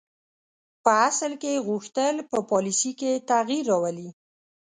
په اصل کې یې غوښتل په پالیسي کې تغییر راولي.